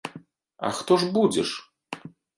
А хто ж будзеш?